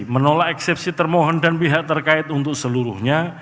menolak eksepsi termohon dan pihak terkait untuk seluruhnya